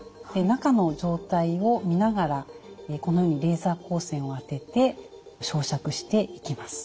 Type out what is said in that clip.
中の状態を見ながらこのようにレーザー光線を当てて焼灼していきます。